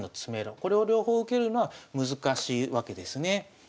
これを両方受けるのは難しいわけですね。